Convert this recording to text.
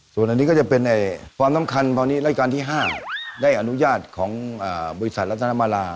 ส่วนอันนี้ก็จะเป็นความสำคัญตอนนี้รายการที่๕ได้อนุญาตของบริษัทรัตนมารา